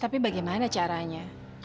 tapi bagaimana caranya